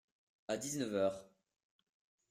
À dix-neuf heures.